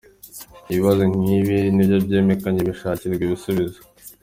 Ibibazo nk’ibi iyo bimenyekanye bishakirwa ibisubizo ».